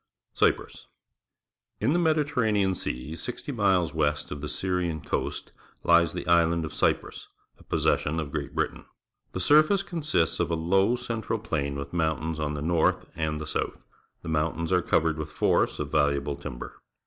CYPRUS J In the Mediterranean Sea, sixty miles west of the Sj'rian coast, lies the island of Cyprus, a possession of Great Britain. The surface consists of a low central plain ■^•ith momitains on the north and the south. The mountains are covered with forests of valuable timber.